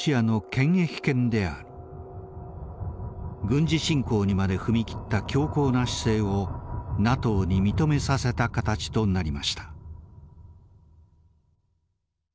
軍事侵攻にまで踏み切った強硬な姿勢をＮＡＴＯに認めさせた形となりました。